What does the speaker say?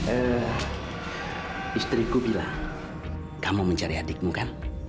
eh istriku bilang kamu mencari adikmu kan